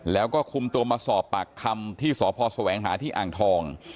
แล้วก็คุมตัวมาสอบปากคำที่สพแสวงหาที่อ่างทอง